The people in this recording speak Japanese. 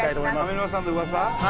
上沼さんの噂？